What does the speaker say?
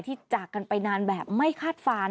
จากกันไปนานแบบไม่คาดฝัน